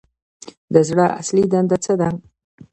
د زړه اصلي دنده څه ده